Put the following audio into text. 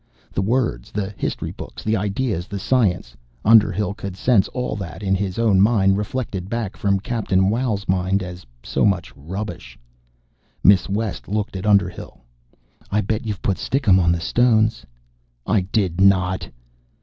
The words, the history books, the ideas, the science Underhill could sense all that in his own mind, reflected back from Captain Wow's mind, as so much rubbish. Miss West looked at Underhill. "I bet you've put stickum on the stones." "I did not!"